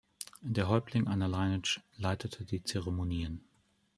Der Häuptling einer Lineage leitete die Zeremonien.